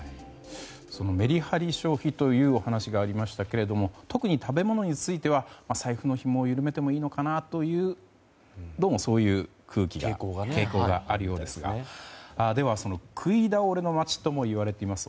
そのメリハリ消費というお話がありましたが特に食べ物については財布のひもを緩めてもいいのかなというどうもそういう空気、傾向があるようですがでは、その食い倒れの街ともいわれています